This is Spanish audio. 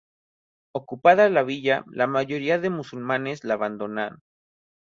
Ocupada la villa, la mayoría de musulmanes la abandonan.